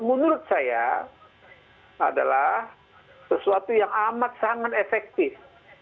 menurut saya adalah sesuatu yang amat sangat efektif